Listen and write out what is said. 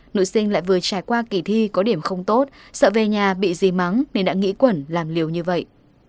nữ sinh lại vừa trải qua kỳ thi có điểm không tốt sợ về nhà bị gì mắng nên đã nghỉ quẩn làm liều như vậy